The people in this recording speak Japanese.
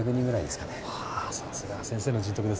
はぁさすが先生の人徳ですな。